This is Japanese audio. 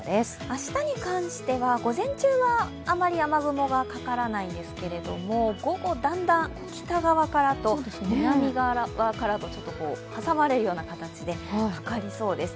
明日に関しては午前中はあまり雨雲がかからないんですが午後、だんだん北側からと南側から挟まれるような形でかかりそうです。